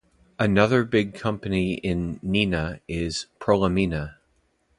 Another big company in Neenah is Prolamina.